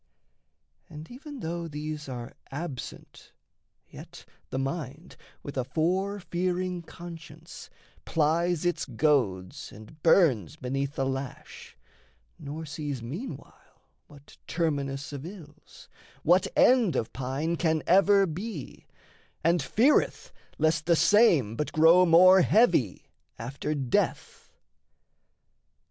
And even though these are absent, yet the mind, With a fore fearing conscience, plies its goads And burns beneath the lash, nor sees meanwhile What terminus of ills, what end of pine Can ever be, and feareth lest the same But grow more heavy after death.